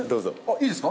いいですか？